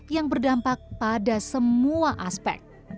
yang berdampak pada semua aspek